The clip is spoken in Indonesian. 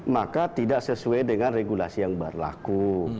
maka tidak sesuai dengan regulasi yang berlaku